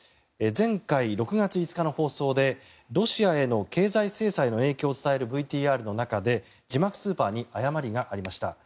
前回、６月５日の放送でロシアへの経済制裁の影響を伝えるＶＴＲの中で字幕スーパーに誤りがありました。